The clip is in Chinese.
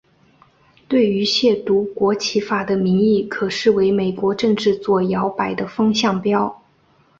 对于亵渎国旗法的民意可视为美国政治左摇摆的风向标。